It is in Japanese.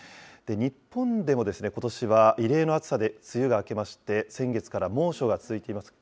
日本でもことしは異例の暑さで梅雨が明けまして、先月から猛暑が続いています。